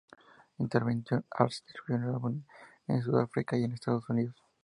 Intervention Arts distribuyó el álbum en Sudáfrica y Estados Unidos.